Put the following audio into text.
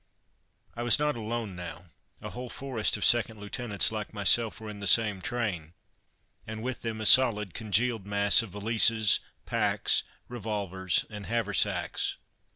I was not alone now; a whole forest of second lieutenants like myself were in the same train, and with them a solid, congealed mass of valises, packs, revolvers and haversacks.